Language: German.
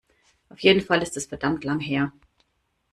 Auf jeden Fall ist es verdammt lang her.